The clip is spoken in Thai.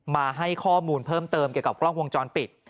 มาให้ข้อมูลเพิ่มเติมเกี่ยวกับกล้องวงจรปิด